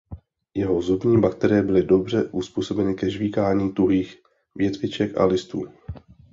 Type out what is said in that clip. Jeho zubní baterie byly dobře uzpůsobeny ke žvýkání tuhých větviček a listů.